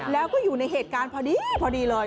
แล้วก็อยู่ในเหตุการณ์พอดีพอดีเลย